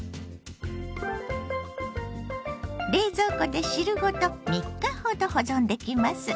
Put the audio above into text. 冷蔵庫で汁ごと３日ほど保存できます。